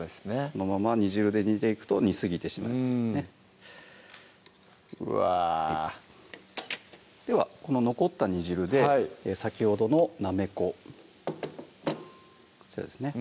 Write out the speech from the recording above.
このまま煮汁で煮ていくと煮すぎてしまいますねうわではこの残った煮汁で先ほどのなめここちらですね